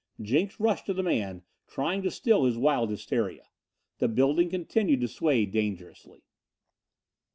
Jenks rushed to the man, trying to still his wild hysteria. The building continued to sway dangerously.